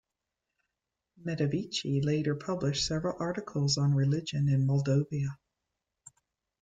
Mateevici later published several articles on religion in Moldavia.